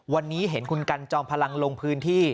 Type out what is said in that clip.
วันนี้เห็นคุณกันจอมพลังลงพื้นที่